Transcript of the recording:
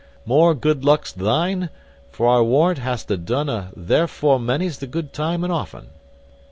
more good luck's thine? for I warrant hast a done a therefore many's the good time and often."